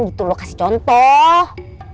gitu kasih contoh